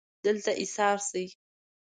دلته ایسار شئ